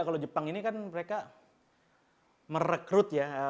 kalau jepang ini kan mereka merekrut ya